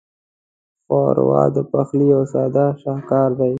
ښوروا د پخلي یو ساده شاهکار دی.